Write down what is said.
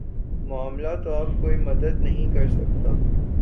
معاملہ تو اب کوئی مدد نہیں کر سکتا